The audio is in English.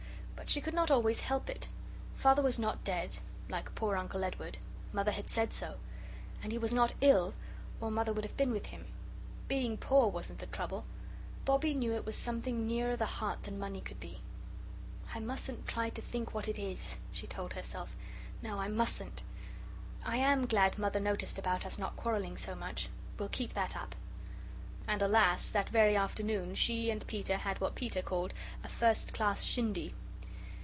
But she could not always help it. Father was not dead like poor Uncle Edward Mother had said so. And he was not ill, or Mother would have been with him. Being poor wasn't the trouble. Bobbie knew it was something nearer the heart than money could be. "I mustn't try to think what it is," she told herself; "no, I mustn't. I AM glad Mother noticed about us not quarrelling so much. We'll keep that up." And alas, that very afternoon she and Peter had what Peter called a first class shindy.